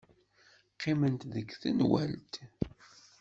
Qqiment deg tenwalt.